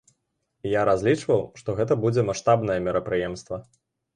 І я разлічваў, што гэта будзе маштабнае мерапрыемства.